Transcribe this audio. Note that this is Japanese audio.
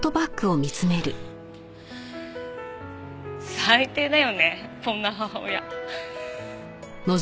最低だよねこんな母親。